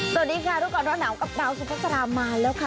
สวัสดีค่ะรู้ก่อนร้อนหนาวกับดาวสุภาษามาแล้วค่ะ